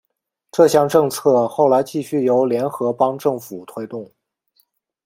这项政策后来继续由联合邦政府推动。